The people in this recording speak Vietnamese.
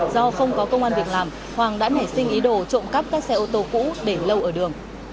do không có công an việc làm hoàng đã nảy sinh ý đồ trộm cắp các xe ô tô cũ để lâu ở đường